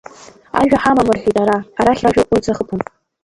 Ажәа ҳамам рҳәеит ара, арахь ражәа уаҩ дзахыԥом!